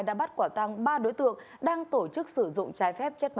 đã bắt quả tăng ba đối tượng đang tổ chức sử dụng trái